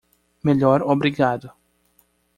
Melhor obrigado.